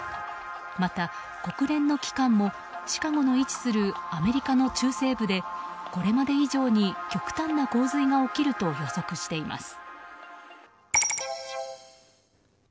また、国連の機関もシカゴの位置するアメリカの中西部でこれまで以上に極端な洪水が起きると予測しています。